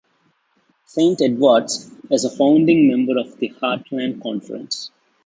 Saint Edward's is a founding member of the Heartland Conference.